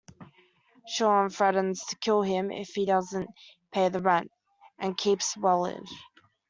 Sean threatens to kill him if he doesn't pay the rent, and keeps Wellard.